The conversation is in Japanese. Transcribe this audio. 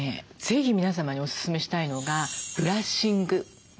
ぜひ皆様におすすめしたいのがブラッシング。